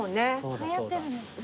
はやってるんですね。